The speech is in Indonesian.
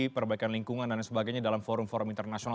perbaikan lingkungan dan sebagainya dalam forum forum internasional